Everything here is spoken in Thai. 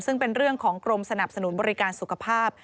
ซึ่งเป็นเรื่องของกรมสนับสนุนบริการสุขภาพ